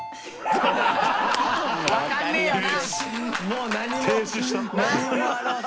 わかんねえよな。